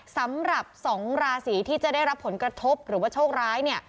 สำหรับ๒ราศีที่จะได้รับผลกระทบหรือว่าโชคร้ายเนี่ย